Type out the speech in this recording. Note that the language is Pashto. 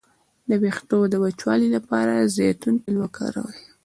د ویښتو د وچوالي لپاره د زیتون تېل وکاروئ